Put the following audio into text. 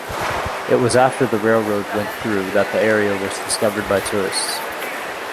It was after the railroad went through that the area was discovered by tourists.